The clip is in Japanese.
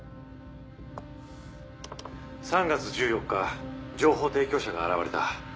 ３月１４日情報提供者が現れた。